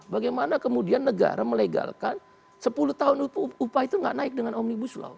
bagaimana kemudian negara melegalkan sepuluh tahun itu upah itu gak naik dengan om ibu slow